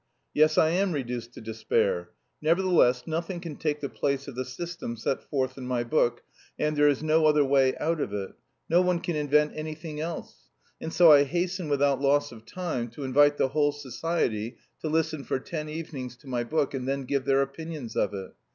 Yes, I am reduced to despair. Nevertheless, nothing can take the place of the system set forth in my book, and there is no other way out of it; no one can invent anything else. And so I hasten without loss of time to invite the whole society to listen for ten evenings to my book and then give their opinions of it.